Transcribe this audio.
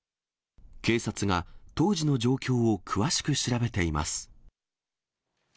警察が、当時の状況を詳しく調べています。